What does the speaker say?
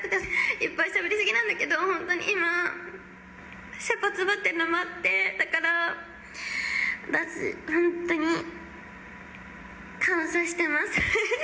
いっぱいしゃべり過ぎなんだけど、本当に今、せっぱ詰まってるのもあって、だから、私、本当に感謝してます。